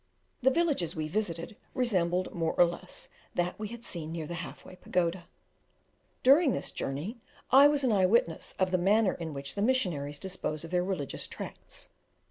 The villages we visited, resembled more or less, that we had seen near the Half way Pagoda. During this journey I was an eye witness of the manner in which the missionaries dispose of their religious tracts.